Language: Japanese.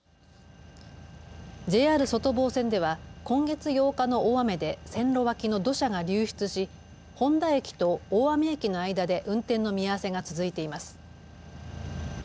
ＪＲ外房線では今月８日の大雨で線路脇の土砂が流出し誉田駅と大網駅の間で運転の見合わせが続いています。